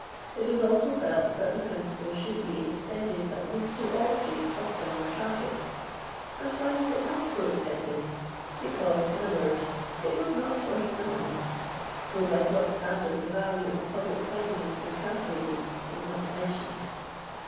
It was also felt that the principle should "be extended at least to all streets of similar traffic ;" and why was it not so extended 1 Because, in a word, "it was not worth the money;" though by what standard the value of public cleanliness was calculated, is not mentioned.